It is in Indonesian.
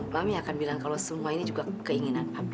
mami akan bilang kalau semua ini juga keinginan papi